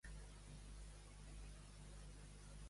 Com diu que és el pensament de Rajoy d'Espanya?